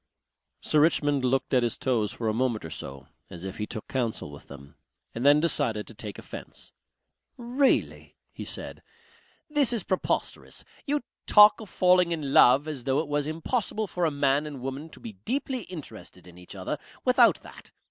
Sir Richmond looked at his toes for a moment or so as if he took counsel with them and then decided to take offence. "Really!" he said, "this is preposterous. You talk of falling in love as though it was impossible for a man and woman to be deeply interested in each other without that.